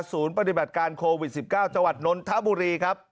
ปฏิบัติการโควิด๑๙จังหวัดนนทบุรีครับ